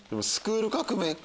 『スクール革命！』。